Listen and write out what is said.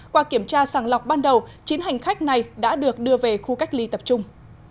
qua kiểm tra sàng lọc ban đầu chín hành khách này đã được đưa về khu cách ly tập trung